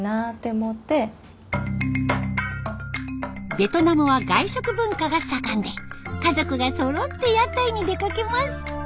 ベトナムは外食文化が盛んで家族がそろって屋台に出かけます。